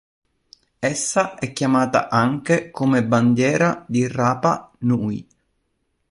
Essa è chiamata anche come bandiera di Rapa Nui.